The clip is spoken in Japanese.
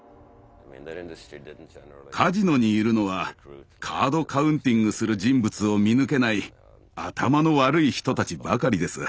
カジノにいるのはカード・カウンティングする人物を見抜けない頭の悪い人たちばかりです。